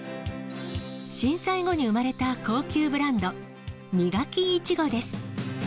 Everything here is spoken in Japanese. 震災後に生まれた高級ブランド、ミガキイチゴです。